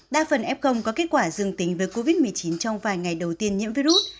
đa phần f công có kết quả dương tính với covid một mươi chín trong vài ngày đầu tiên nhiễm virus